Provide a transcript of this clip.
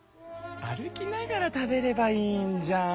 歩きながら食べればいいんじゃん。